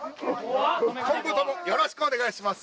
今後ともよろしくお願いします